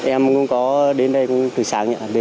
em cũng có đến đây từ sáng